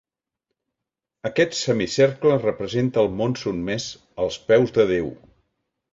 Aquest semicercle representa el món sotmès als peus de Déu.